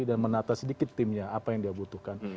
dan menata sedikit timnya apa yang dia butuhkan